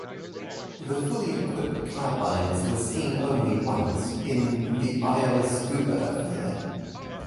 The fully equipped carbines were seen only once, in "The Iowa Scuba Affair".